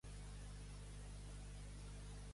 La llenya seca prompte s'encén.